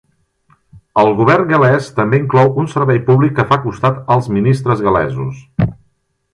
El govern gal·lès també inclou un servei públic que fa costat als ministres gal·lesos.